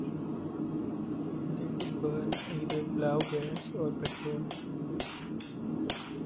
They could burn either Blau gas or petrol.